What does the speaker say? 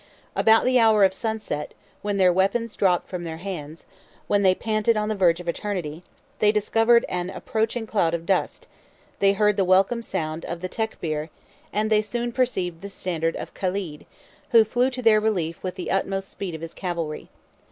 65 About the hour of sunset, when their weapons dropped from their hands, when they panted on the verge of eternity, they discovered an approaching cloud of dust; they heard the welcome sound of the tecbir, 66 and they soon perceived the standard of Caled, who flew to their relief with the utmost speed of his cavalry.